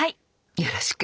よろしく。